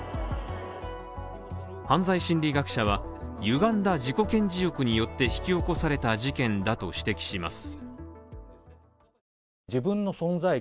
犯罪心理学者は、歪んだ自己顕示欲によって引き起こされた事件だと指摘します。